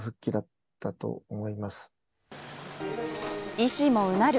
医師もうなる。